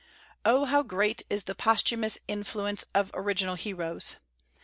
Oh, how great is the posthumous influence of original heroes!